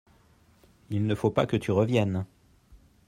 Il ne faut pas que tu reviennes